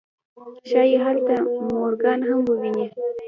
ښايي هلته مورګان هم وويني.